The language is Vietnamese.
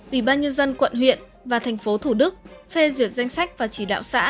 ủy ban dân quận huyện và tp hcm phê duyệt danh sách và chỉ đạo xã